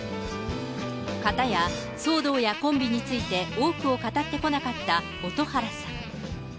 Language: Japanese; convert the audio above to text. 片や、騒動やコンビニついて多くを語ってこなかった蛍原さん。